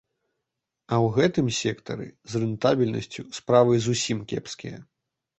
А ў гэтым сектары з рэнтабельнасцю справы зусім кепскія.